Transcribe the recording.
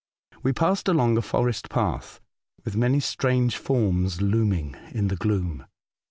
We passed along a forest path, with many strange forms looming in the gloom.